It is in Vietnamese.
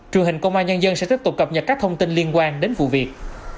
truyền hình công an nhân dân sẽ tiếp tục cập nhật các thông tin liên quan đến vụ việc